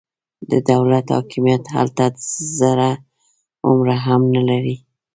د دولت حاکمیت هلته ذره هومره هم نه لري.